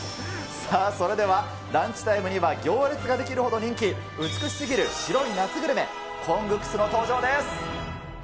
さあ、それではランチタイムには行列が出来るほど人気、美しすぎる白い夏グルメ、コングクスの登場です。